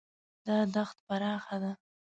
دا دښت پراخه ده.